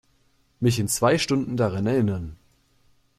Mich in zwei Stunden daran erinnern.